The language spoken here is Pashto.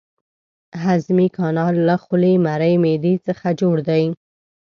هضمي کانال له خولې، مرۍ، معدې څخه جوړ دی.